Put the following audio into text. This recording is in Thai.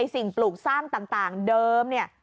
สิ่งปลูกสร้างต่างเดิมเนี่ย